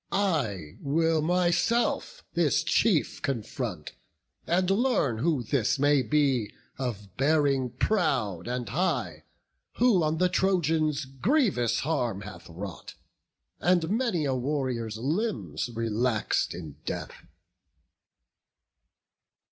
I will myself this chief confront, and learn Who this may be of bearing proud and high, Who on the Trojans grievous harm hath wrought, And many a warrior's limbs relax'd in death."